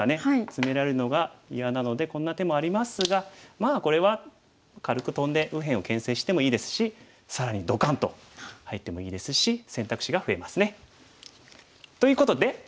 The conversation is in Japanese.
ツメられるのが嫌なのでこんな手もありますがまあこれは軽くトンで右辺をけん制してもいいですし更にどかんと入ってもいいですし選択肢が増えますね。ということで？